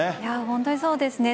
本当にそうですね。